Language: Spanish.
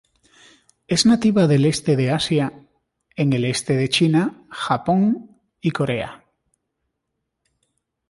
Es nativa del este de Asia, en el este de China, Japón y Corea.